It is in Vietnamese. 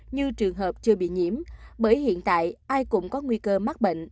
như trường hợp chưa bị nhiễm bởi hiện tại ai cũng có nguy cơ mắc bệnh